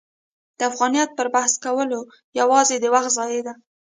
د افغانیت پر بحث کول یوازې د وخت ضایع ده.